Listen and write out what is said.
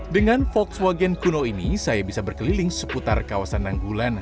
dengan volkswagen kuno ini saya bisa berkeliling seputar kawasan nanggulan